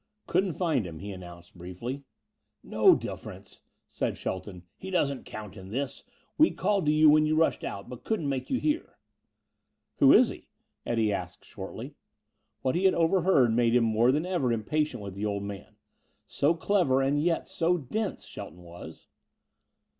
"Couldn't find him," he announced briefly. "No difference," said Shelton. "He doesn't count in this. We called to you when you rushed out, but couldn't make you hear." "Who is he?" Eddie asked shortly. What he had overheard made him more than ever impatient with the older man. So clever and yet so dense, Shelton was.